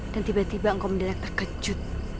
dan tiba tiba kau mendengar terkejut